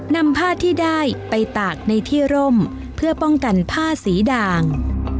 นำผ้าที่ได้ไปตากในที่ร่มเพื่อป้องกันผ้าสีด่าง